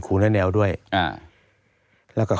ตั้งแต่ปี๒๕๓๙๒๕๔๘